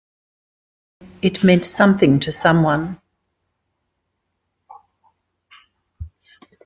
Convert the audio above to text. It meant something to someone.